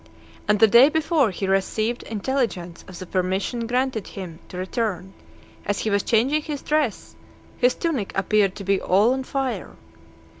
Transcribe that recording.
And the day before he received intelligence of the permission granted him to return, as he was changing his dress, his tunic appeared to be all on fire.